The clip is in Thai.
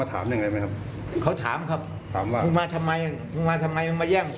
คนตีอย่างเดียวเขาก็รับไว้ถือหัวผมนี่แหละ